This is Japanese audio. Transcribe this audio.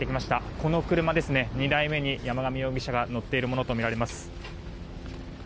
この車、２台目に山上容疑者が乗っているものとみられます。